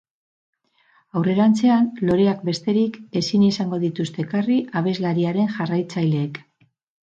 Aurrerantzean loreak besterik ezin izango dituzte ekarri abeslariaren jarraitzaileek.